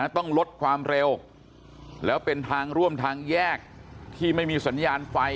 ต้องลดความเร็วแล้วเป็นทางร่วมทางแยกที่ไม่มีสัญญาณไฟ